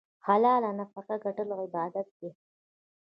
حلاله نفقه ګټل عبادت دی.